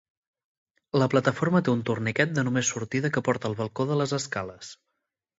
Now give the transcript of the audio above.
La plataforma té un torniquet de només sortida que porta al balcó de les escales.